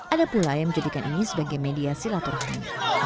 ada pula yang menjadikan ini sebagai media silaturahmi